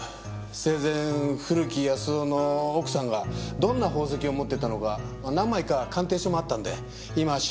生前古木保男の奥さんがどんな宝石を持ってたのか何枚か鑑定書もあったんで今調べに出してるところです。